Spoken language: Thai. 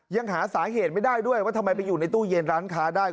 ยังหาสาเหตุไม่ได้ด้วยว่าทำไมไปอยู่ในตู้เย็นร้านค้าได้